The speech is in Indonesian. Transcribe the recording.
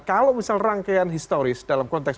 kalau misal rangkaian historis dalam konteks